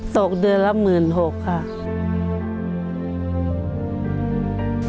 ตกเดือนละ๑๖๐๐๐บาท